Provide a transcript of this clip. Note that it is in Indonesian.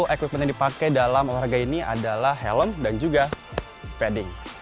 equipment yang dipakai dalam olahraga ini adalah helm dan juga padding